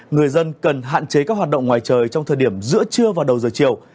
người dân cần hạn chế các hoạt động ngoài trời trong thời điểm giữa trưa và đầu giờ chiều